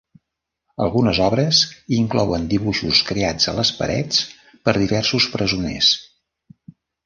Algunes obres inclouen dibuixos creats a les parets per diversos presoners.